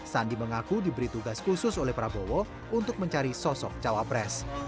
sandi mengaku diberi tugas khusus oleh prabowo untuk mencari sosok cawapres